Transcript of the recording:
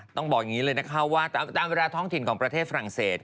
ต้องบอกอย่างนี้เลยนะคะว่าตามเวลาท้องถิ่นของประเทศฝรั่งเศส